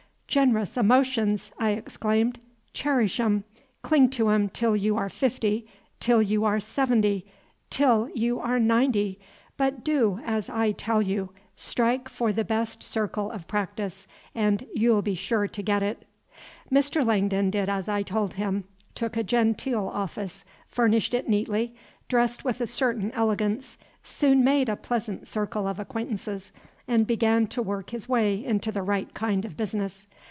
"Generous emotions!" I exclaimed. "Cherish 'em; cling to 'em till you are fifty, till you are seventy, till you are ninety! But do as I tell you, strike for the best circle of practice, and you 'll be sure to get it!" Mr. Langdon did as I told him, took a genteel office, furnished it neatly, dressed with a certain elegance, soon made a pleasant circle of acquaintances, and began to work his way into the right kind of business.